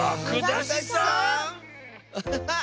アハハッ！